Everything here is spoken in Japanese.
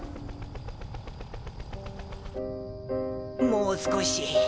もう少し。